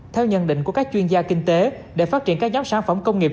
theo nhận định của các chuyên gia kinh tế để phát triển các nhóm sản phẩm công nghiệp